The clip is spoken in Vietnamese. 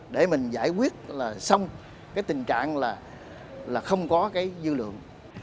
để mình giải quyết là xong cái tình trạng là không có cái dư lượng